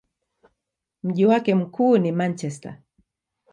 Mji wake mkuu ni Manchester.